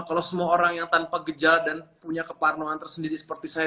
kalau semua orang yang tanpa gejala dan punya keparnoan tersendiri seperti saya